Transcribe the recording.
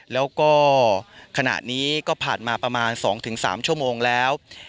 แล้วก็ขณะนี้ก็ผ่านมาประมาณ๒๓ชั่วโมงแล้ว